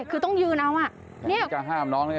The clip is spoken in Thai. คือต้องยืนเอาแห้งน้องนี่